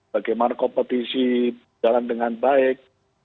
bagaimana kompetisi berjalan dengan baik